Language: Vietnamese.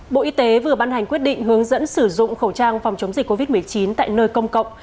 bộ y tế vừa ban hành quyết định hướng dẫn sử dụng khẩu trang phòng chống dịch covid một mươi chín tại nơi công cộng